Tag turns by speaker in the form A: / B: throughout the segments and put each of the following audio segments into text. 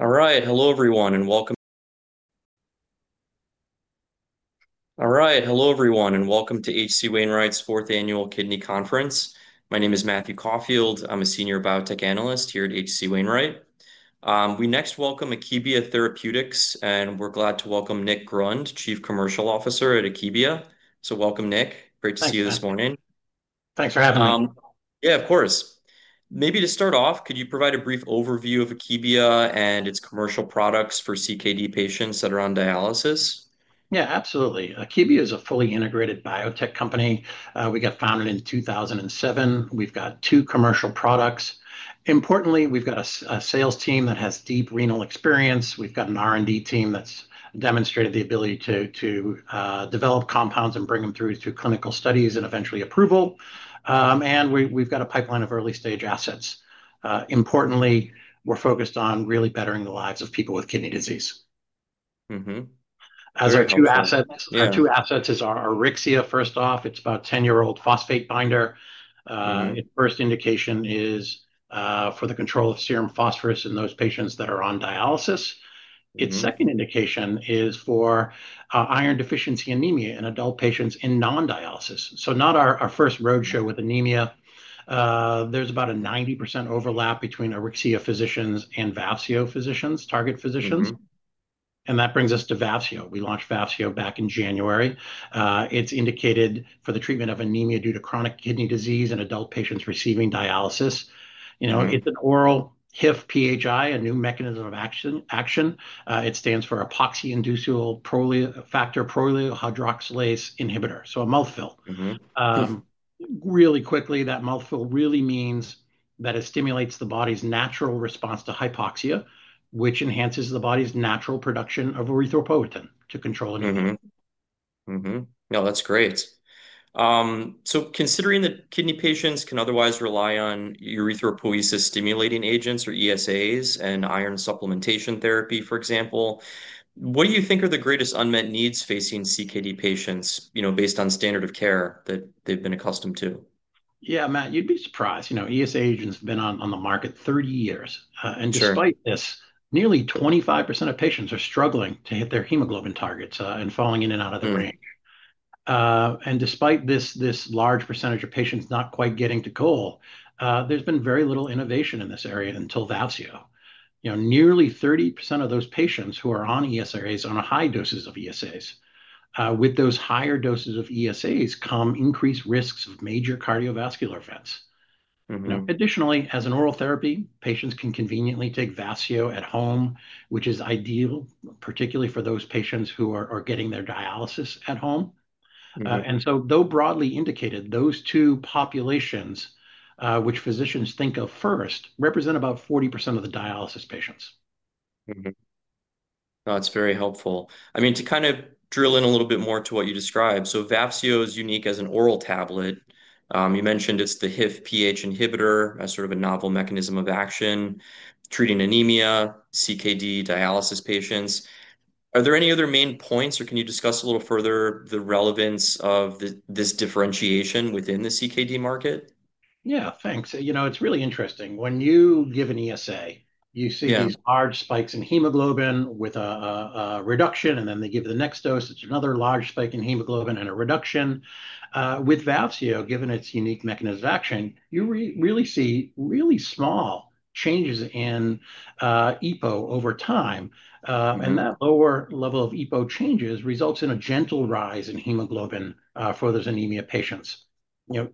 A: Alright, hello everyone, and welcome to H.C. Wainwright's Fourth Annual Kidney Conference. My name is Matthew Caulfield, I'm a Senior Biotech Analyst here at H.C. Wainwright. We next welcome Akebia Therapeutics, and we're glad to welcome Nick Grund, Chief Commercial Officer at Akebia. Welcome, Nick. Great to see you this morning.
B: Thanks for having me.
A: Yeah, of course. Maybe to start off, could you provide a brief overview of Akebia and its commercial products for CKD patients that are on dialysis?
B: Yeah, absolutely. Akebia is a fully integrated biotech company. We got founded in 2007. We've got two commercial products. Importantly, we've got a sales team that has deep renal experience. We've got an R&D team that's demonstrated the ability to develop compounds and bring them through to clinical studies and eventually approval. We've got a pipeline of early-stage assets. Importantly, we're focused on really bettering the lives of people with kidney disease.
A: Mm-hmm.
B: Our two assets are Auryxia, first off. It's about a 10-year-old phosphate binder. Its first indication is for the control of serum phosphorus in those patients that are on dialysis. Its second indication is for iron deficiency anemia in adult patients in non-dialysis. Not our first roadshow with anemia. There's about a 90% overlap between Auryxia physicians and Vafseo physicians, target physicians. That brings us to Vafseo. We launched Vafseo back in January. It's indicated for the treatment of anemia due to chronic kidney disease in adult patients receiving dialysis. You know, it's an oral HIF-PHI, a new mechanism of action. It stands for hypoxia-inducible factor prolyl hydroxylase inhibitor, so a mouthful. Really quickly, that mouthful really means that it stimulates the body's natural response to hypoxia, which enhances the body's natural production of erythropoietin to control anemia.
A: No, that's great. Considering that kidney patients can otherwise rely on erythropoiesis-stimulating agents or ESAs and iron supplementation therapy, for example, what do you think are the greatest unmet needs facing CKD patients, you know, based on standard of care that they've been accustomed to?
B: Yeah, Matt, you'd be surprised. You know, ESA agents have been on the market 30 years. Despite this, nearly 25% of patients are struggling to hit their hemoglobin targets and falling in and out of the range. Despite this large percentage of patients not quite getting to goal, there's been very little innovation in this area until Vafseo. Nearly 30% of those patients who are on ESAs are on high doses of ESAs. With those higher doses of ESAs come increased risks of major cardiovascular events. Additionally, as an oral therapy, patients can conveniently take Vafseo at home, which is ideal, particularly for those patients who are getting their dialysis at home. Though broadly indicated, those two populations, which physicians think of first, represent about 40% of the dialysis patients.
A: That's very helpful. I mean, to kind of drill in a little bit more to what you described, so Vafseo is unique as an oral tablet. You mentioned it's the HIF-PHI inhibitor, sort of a novel mechanism of action, treating anemia, CKD, dialysis patients. Are there any other main points, or can you discuss a little further the relevance of this differentiation within the CKD market?
B: Yeah, thanks. You know, it's really interesting. When you give an ESA, you see these large spikes in hemoglobin with a reduction, and then they give the next dose, it's another large spike in hemoglobin and a reduction. With Vafseo, given its unique mechanism of action, you really see really small changes in EPO over time. That lower level of EPO changes results in a gentle rise in hemoglobin for those anemia patients.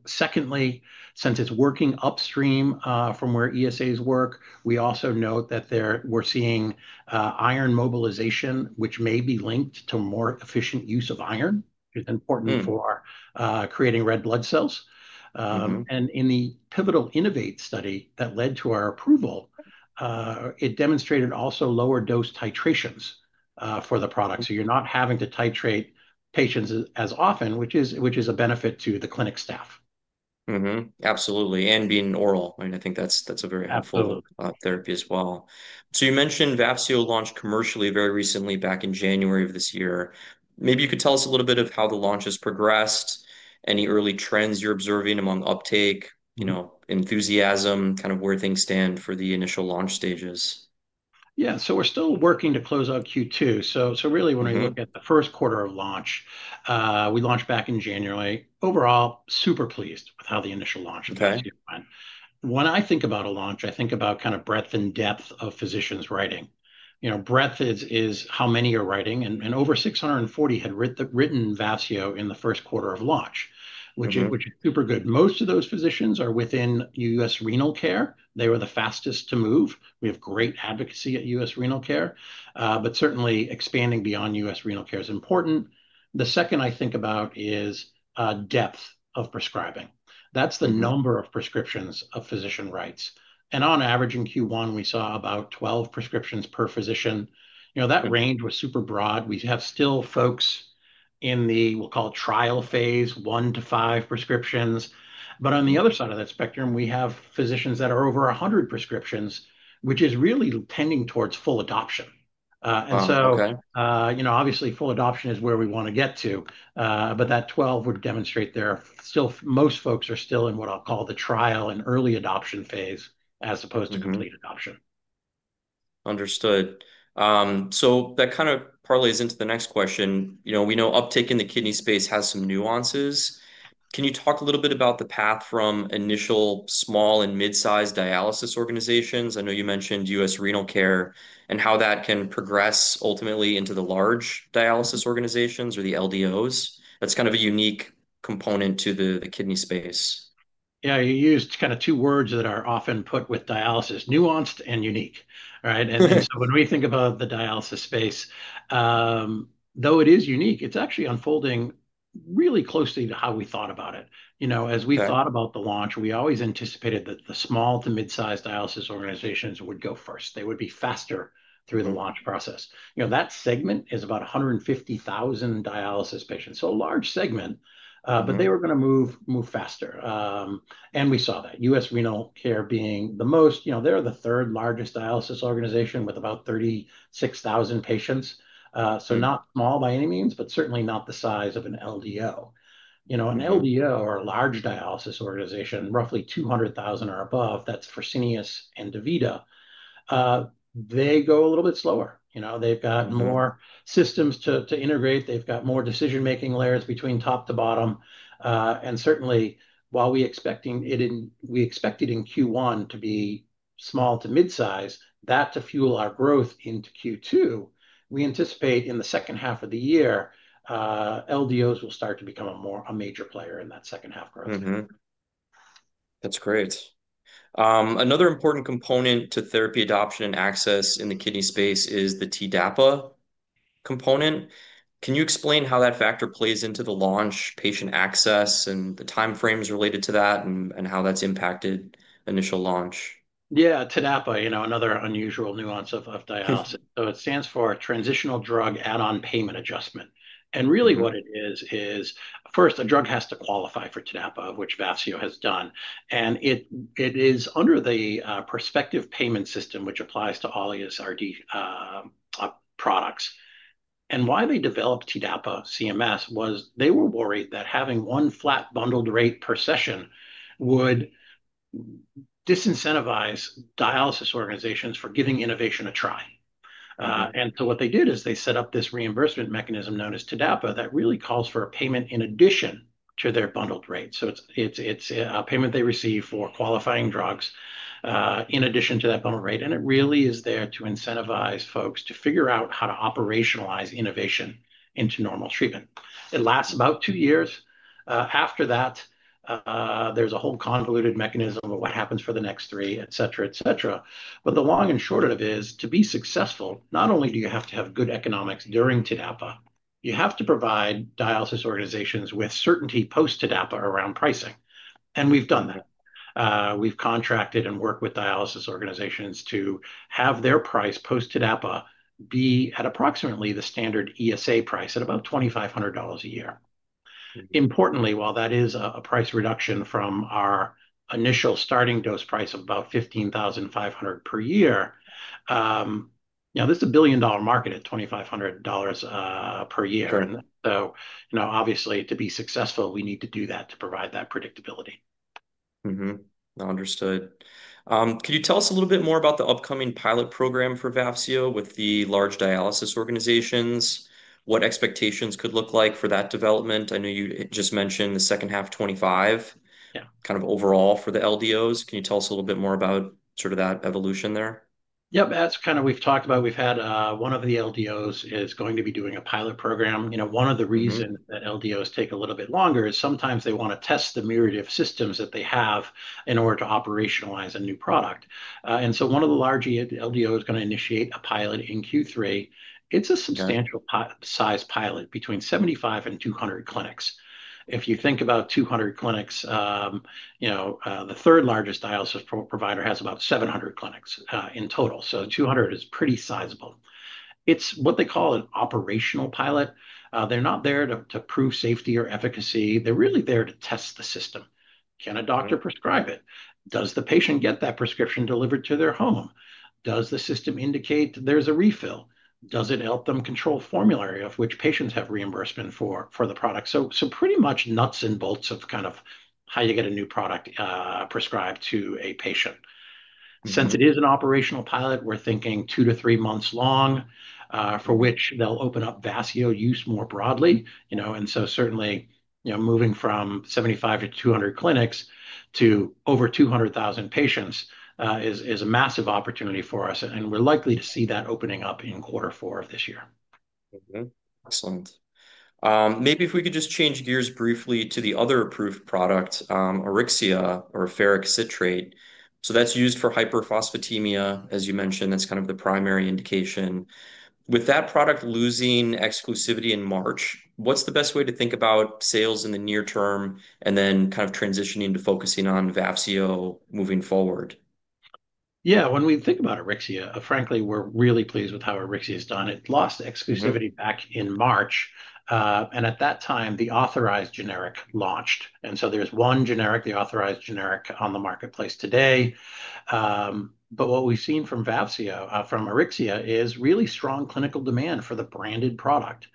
B: Secondly, since it's working upstream from where ESAs work, we also note that we're seeing iron mobilization, which may be linked to more efficient use of iron, which is important for creating red blood cells. In the pivotal INNO2VATE study that led to our approval, it demonstrated also lower dose titrations for the product. You're not having to titrate patients as often, which is a benefit to the clinic staff.
A: Absolutely. Being oral, I think that's a very helpful therapy as well. You mentioned Vafseo launched commercially very recently back in January of this year. Maybe you could tell us a little bit of how the launch has progressed, any early trends you're observing among uptake, enthusiasm, kind of where things stand for the initial launch stages.
B: Yeah, so we're still working to close out Q2. Really, when I look at the first quarter of launch, we launched back in January. Overall, super pleased with how the initial launch went. When I think about a launch, I think about kind of breadth and depth of physicians writing. You know, breadth is how many are writing, and over 640 had written Vafseo in the first quarter of launch, which is super good. Most of those physicians are within U.S. Renal Care. They were the fastest to move. We have great advocacy at U.S. Renal Care. Certainly, expanding beyond U.S. Renal Care is important. The second I think about is depth of prescribing. That's the number of prescriptions a physician writes. On average, in Q1, we saw about 12 prescriptions per physician. You know, that range was super broad. We have still folks in the, we'll call it trial phase, one to five prescriptions. On the other side of that spectrum, we have physicians that are over 100 prescriptions, which is really tending towards full adoption. Obviously, full adoption is where we want to get to. That 12 would demonstrate there are still, most folks are still in what I'll call the trial and early adoption phase, as opposed to complete adoption.
A: Understood. That kind of parlays into the next question. You know, we know uptake in the kidney space has some nuances. Can you talk a little bit about the path from initial small and mid-sized dialysis organizations? I know you mentioned U.S. Renal Care and how that can progress ultimately into the large dialysis organizations or the LDOs. That's kind of a unique component to the kidney space.
B: Yeah, you used kind of two words that are often put with dialysis: nuanced and unique, right? When we think about the dialysis space, though it is unique, it's actually unfolding really closely to how we thought about it. As we thought about the launch, we always anticipated that the small to mid-sized dialysis organizations would go first. They would be faster through the launch process. That segment is about 150,000 dialysis patients, so a large segment, but they were going to move faster. We saw that. U.S. Renal Care being the most, you know, they're the third largest dialysis organization with about 36,000 patients, so not small by any means, but certainly not the size of an LDO. An LDO, or a large dialysis organization, is roughly 200,000 or above; that's Fresenius and DaVita. They go a little bit slower. They've got more systems to integrate. They've got more decision-making layers between top to bottom. Certainly, while we expect it in Q1 to be small to mid-size, that's to fuel our growth into Q2. We anticipate in the second half of the year, LDOs will start to become a more major player in that second half growth.
A: That's great. Another important component to therapy adoption and access in the kidney space is the TDAPA component. Can you explain how that factor plays into the launch, patient access, and the timeframes related to that, and how that's impacted initial launch?
B: Yeah, TDAPA, you know, another unusual nuance of dialysis. It stands for Transitional Drug Add-on Payment Adjustment. What it is, is first a drug has to qualify for TDAPA, which Vafseo has done. It is under the prospective payment system, which applies to all ESRD products. Why they developed TDAPA at CMS was they were worried that having one flat bundled rate per session would disincentivize dialysis organizations from giving innovation a try. What they did is they set up this reimbursement mechanism known as TDAPA that really calls for a payment in addition to their bundled rate. It's a payment they receive for qualifying drugs in addition to that bundled rate. It really is there to incentivize folks to figure out how to operationalize innovation into normal treatment. It lasts about two years. After that, there's a whole convoluted mechanism of what happens for the next three, et cetera, et cetera. The long and short of it is to be successful, not only do you have to have good economics during TDAPA, you have to provide dialysis organizations with certainty post-TDAPA around pricing. We've done that. We've contracted and worked with dialysis organizations to have their price post-TDAPA be at approximately the standard ESA price at about $2,500 a year. Importantly, while that is a price reduction from our initial starting dose price of about $15,500 per year, this is a billion-dollar market at $2,500 per year. Obviously, to be successful, we need to do that to provide that predictability.
A: Understood. Could you tell us a little bit more about the upcoming pilot program for Vafseo with the large dialysis organizations? What expectations could look like for that development? I know you just mentioned the second half, 2025. Yeah, kind of overall for the LDOs. Can you tell us a little bit more about sort of that evolution there?
B: Yep, that's kind of what we've talked about. We've had one of the LDOs is going to be doing a pilot program. One of the reasons that LDOs take a little bit longer is sometimes they want to test the myriad of systems that they have in order to operationalize a new product. One of the large LDOs is going to initiate a pilot in Q3. It's a substantial size pilot between 75 and 200 clinics. If you think about 200 clinics, the third largest dialysis provider has about 700 clinics in total. 200 is pretty sizable. It's what they call an operational pilot. They're not there to prove safety or efficacy. They're really there to test the system. Can a doctor prescribe it? Does the patient get that prescription delivered to their home? Does the system indicate there's a refill? Does it help them control formulary of which patients have reimbursement for the product? Pretty much nuts and bolts of kind of how you get a new product prescribed to a patient. Since it is an operational pilot, we're thinking two to three months long for which they'll open up Vafseo use more broadly. Certainly, moving from 75 to 200 clinics to over 200,000 patients is a massive opportunity for us. We're likely to see that opening up in quarter four of this year.
A: Excellent. Maybe if we could just change gears briefly to the other approved product, Auryxia or ferric citrate. That's used for hyperphosphatemia, as you mentioned. That's kind of the primary indication. With that product losing exclusivity in March, what's the best way to think about sales in the near term and then kind of transitioning to focusing on Vafseo moving forward?
B: Yeah, when we think about Auryxia, frankly, we're really pleased with how Auryxia has done. It lost exclusivity back in March. At that time, the authorized generic launched, and so there's one generic, the authorized generic, on the marketplace today. What we've seen from Vafseo, from Auryxia, is really strong clinical demand for the branded product.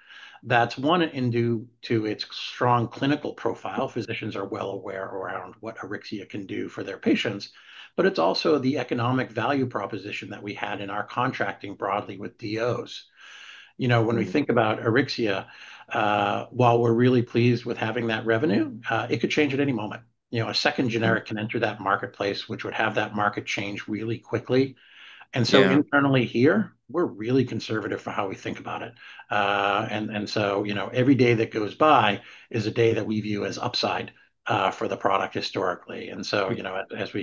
B: That's one, due to its strong clinical profile. Physicians are well aware around what Auryxia can do for their patients. It's also the economic value proposition that we had in our contracting broadly with LDOs. You know, when we think about Auryxia, while we're really pleased with having that revenue, it could change at any moment. A second generic can enter that marketplace, which would have that market change really quickly. Internally here, we're really conservative for how we think about it. Every day that goes by is a day that we view as upside for the product historically. As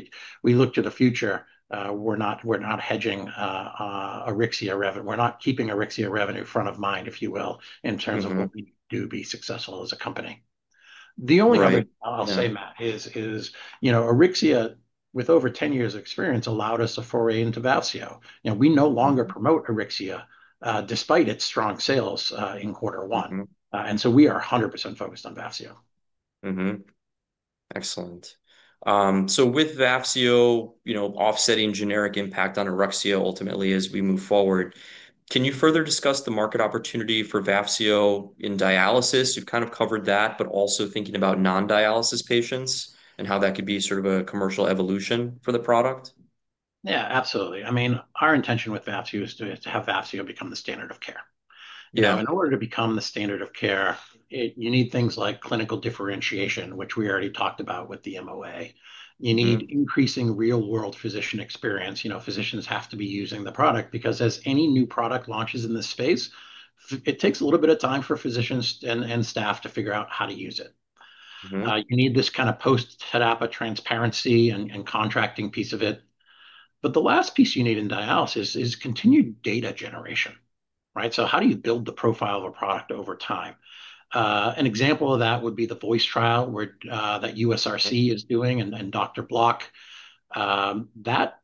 B: we look to the future, we're not hedging Auryxia revenue. We're not keeping Auryxia revenue front of mind, if you will, in terms of what we do to be successful as a company. The only thing I'll say, Matt, is Auryxia, with over 10 years of experience, allowed us a foray into Vafseo. We no longer promote Auryxia despite its strong sales in quarter one, and we are 100% focused on Vafseo.
A: Excellent. With Vafseo, you know, offsetting generic impact on Auryxia ultimately as we move forward, can you further discuss the market opportunity for Vafseo in dialysis? You've kind of covered that, but also thinking about non-dialysis patients and how that could be sort of a commercial evolution for the product?
B: Yeah, absolutely. I mean, our intention with Vafseo is to have Vafseo become the standard of care. You know, in order to become the standard of care, you need things like clinical differentiation, which we already talked about with the MOA. You need increasing real-world physician experience. You know, physicians have to be using the product because as any new product launches in this space, it takes a little bit of time for physicians and staff to figure out how to use it. You need this kind of post-TDAPA transparency and contracting piece of it. The last piece you need in dialysis is continued data generation. Right? How do you build the profile of a product over time? An example of that would be the VOICE U.S. Renal Care is doing and Dr. Block. That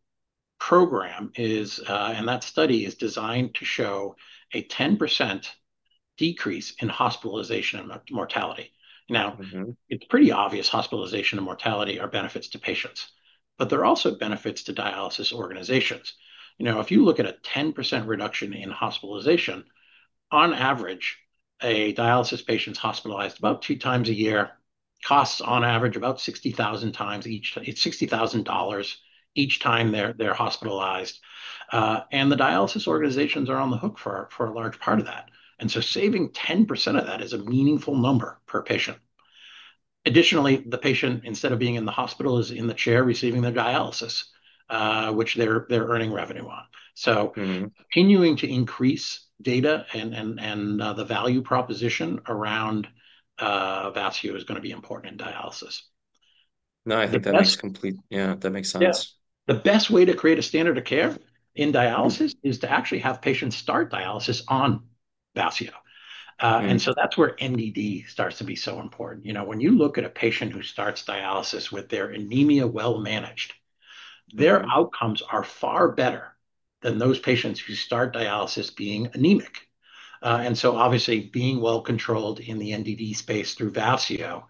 B: program is, and that study is designed to show a 10% decrease in hospitalization and mortality. Now, it's pretty obvious hospitalization and mortality are benefits to patients. There are also benefits to dialysis organizations. You know, if you look at a 10% reduction in hospitalization, on average, a dialysis patient is hospitalized about two times a year, costs on average about $60,000 each time. It's $60,000 each time they're hospitalized. The dialysis organizations are on the hook for a large part of that. Saving 10% of that is a meaningful number per patient. Additionally, the patient, instead of being in the hospital, is in the chair receiving their dialysis, which they're earning revenue on. Continuing to increase data and the value proposition around Vafseo is going to be important in dialysis.
A: No, I think that makes complete sense.
B: Yeah. The best way to create a standard of care in dialysis is to actually have patients start dialysis on Vafseo. That's where MDD starts to be so important. When you look at a patient who starts dialysis with their anemia well managed, their outcomes are far better than those patients who start dialysis being anemic. Obviously, being well controlled in the MDD space through Vafseo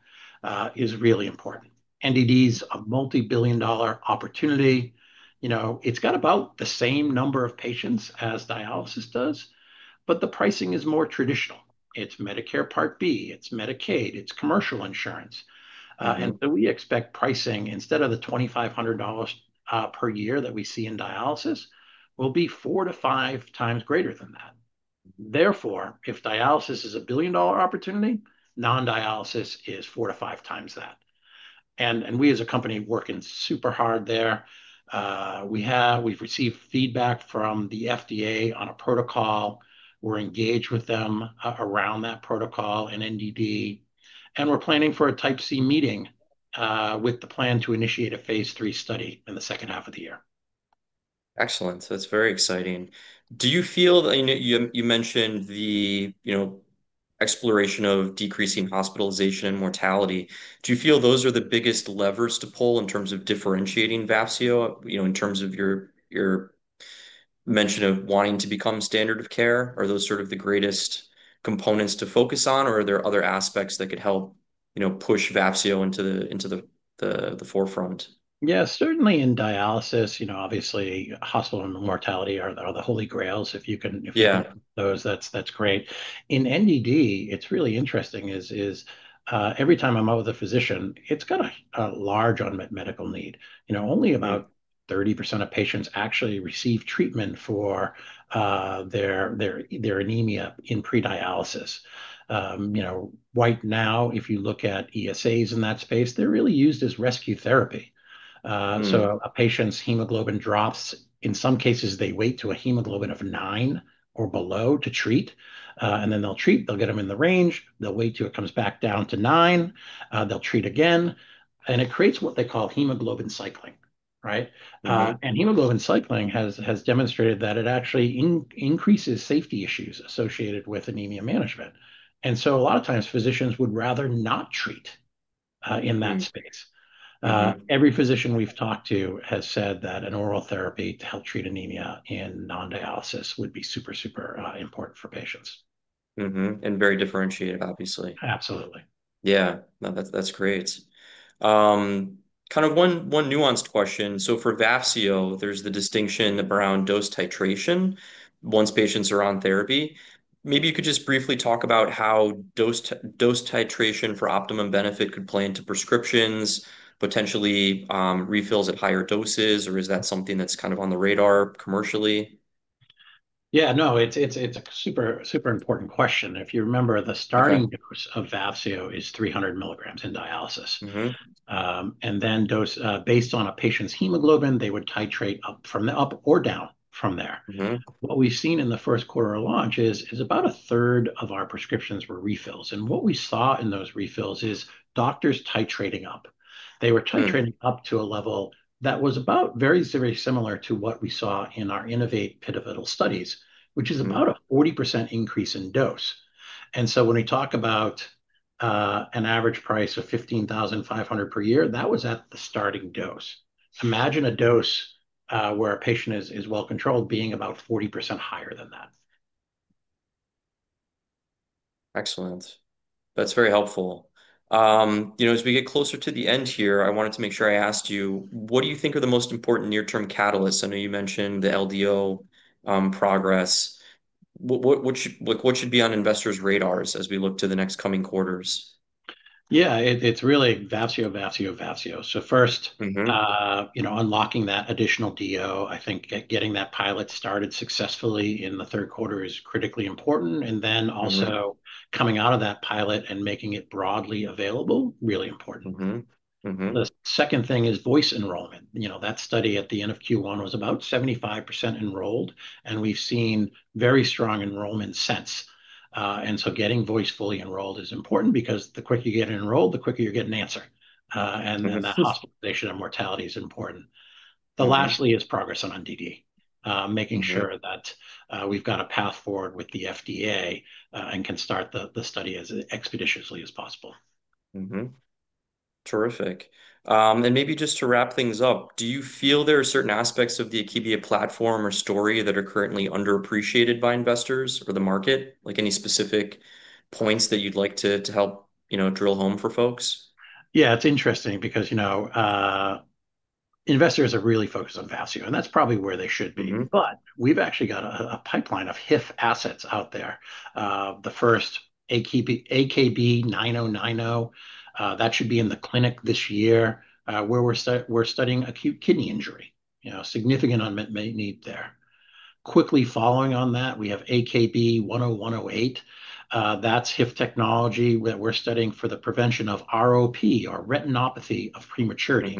B: is really important. MDD is a multi-billion dollar opportunity. It's got about the same number of patients as dialysis does, but the pricing is more traditional. It's Medicare Part B, it's Medicaid, it's commercial insurance. We expect pricing, instead of the $2,500 per year that we see in dialysis, will be four to five times greater than that. Therefore, if dialysis is a billion-dollar opportunity, non-dialysis is four to five times that. We as a company are working super hard there. We've received feedback from the FDA on a protocol. We're engaged with them around that protocol in MDD, and we're planning for a Type C meeting with the plan to initiate a phase III study in the second half of the year.
A: Excellent. It's very exciting. Do you feel, you mentioned the exploration of decreasing hospitalization and mortality, do you feel those are the biggest levers to pull in terms of differentiating Vafseo? In terms of your mention of wanting to become standard of care, are those sort of the greatest components to focus on, or are there other aspects that could help push Vafseo into the forefront?
B: Yeah, certainly in dialysis, you know, obviously hospitalization and mortality are the holy grails. If you can get those, that's great. In MDD, it's really interesting, every time I'm out with a physician, it's got a large unmet medical need. You know, only about 30% of patients actually receive treatment for their anemia in pre-dialysis. Right now, if you look at ESAs in that space, they're really used as rescue therapy. A patient's hemoglobin drops. In some cases, they wait to a hemoglobin of 9 or below to treat. They'll treat, they'll get them in the range, they'll wait till it comes back down to 9, they'll treat again. It creates what they call hemoglobin cycling, right? Hemoglobin cycling has demonstrated that it actually increases safety issues associated with anemia management. A lot of times physicians would rather not treat in that space. Every physician we've talked to has said that an oral therapy to help treat anemia in non-dialysis would be super, super important for patients.
A: Mm-hmm. Very differentiated, obviously.
B: Absolutely.
A: Yeah, no, that's great. Kind of one nuanced question. For Vafseo, there's the distinction around dose titration once patients are on therapy. Maybe you could just briefly talk about how dose titration for optimum benefit could play into prescriptions, potentially refills at higher doses, or is that something that's kind of on the radar commercially?
B: Yeah, no, it's a super, super important question. If you remember, the starting dose of Vafseo is 300 mg in dialysis. Then based on a patient's hemoglobin, they would titrate up or down from there. What we've seen in the first quarter of launch is about a third of our prescriptions were refills. What we saw in those refills is doctors titrating up. They were titrating up to a level that was very, very similar to what we saw in our INNO2VATE pivotal studies, which is about a 40% increase in dose. When we talk about an average price of $15,500 per year, that was at the starting dose. Imagine a dose where a patient is well controlled being about 40% higher than that.
A: Excellent. That's very helpful. As we get closer to the end here, I wanted to make sure I asked you, what do you think are the most important near-term catalysts? I know you mentioned the LDO progress. What should be on investors' radars as we look to the next coming quarters?
B: Yeah, it's really Vafseo, Vafseo, Vafseo. First, unlocking that additional DO, I think getting that pilot started successfully in the third quarter is critically important. Also, coming out of that pilot and making it broadly available is really important. The second thing is VOICE enrollment. That study at the end of Q1 was about 75% enrolled, and we've seen very strong enrollment since. Getting VOICE fully enrolled is important because the quicker you get it enrolled, the quicker you get an answer. That hospitalization and mortality is important. The last thing is progress on MDD, making sure that we've got a path forward with the FDA and can start the study as expeditiously as possible.
A: Terrific. Maybe just to wrap things up, do you feel there are certain aspects of the Akebia platform or story that are currently underappreciated by investors or the market? Like any specific points that you'd like to help, you know, drill home for folks?
B: Yeah, it's interesting because, you know, investors are really focused on Vafseo, and that's probably where they should be. We've actually got a pipeline of HIF assets out there. The first, AKB-9090, that should be in the clinic this year where we're studying acute kidney injury, you know, significant unmet need there. Quickly following on that, we have AKB-10108. That's HIF technology that we're studying for the prevention of retinopathy of prematurity.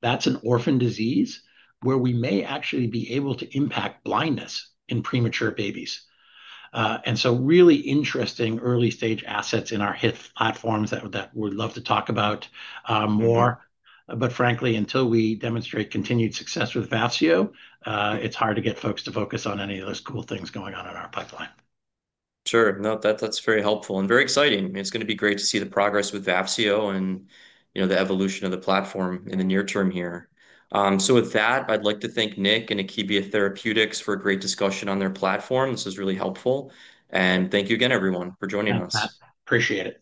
B: That's an orphan disease where we may actually be able to impact blindness in premature babies. Really interesting early-stage assets in our HIF platforms that we'd love to talk about more. Frankly, until we demonstrate continued success with Vafseo, it's hard to get folks to focus on any of those cool things going on in our pipeline.
A: Sure. No, that's very helpful and very exciting. It's going to be great to see the progress with Vafseo and, you know, the evolution of the platform in the near term here. With that, I'd like to thank Nick and Akebia Therapeutics for a great discussion on their platform. This was really helpful. Thank you again, everyone, for joining us.
B: Appreciate it. Thanks.